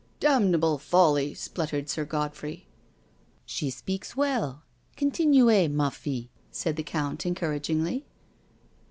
" Damnable folly," spluttered Sir Godfrey. " She speaks well. Continuez^ ma pUe^^ said the Count encouragingly.